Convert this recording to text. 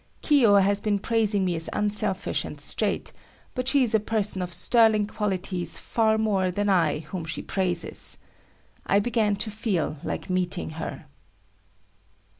Kiyo has been praising me as unselfish and straight, but she is a person of sterling qualities far more than I whom she praises. I began to feel like meeting her.